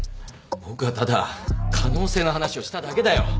僕はただ可能性の話をしただけだよ。